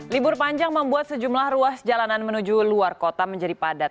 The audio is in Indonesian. libur panjang membuat sejumlah ruas jalanan menuju luar kota menjadi padat